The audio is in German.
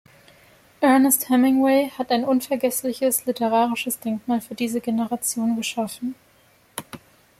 Ernest Hemingway hat ein unvergessliches literarisches Denkmal für diese Generation geschaffen.